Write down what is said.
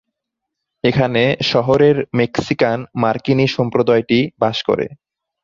এখানে শহরের মেক্সিকান-মার্কিনী সম্প্রদায়টি বাস করে।